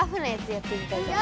やってみたい！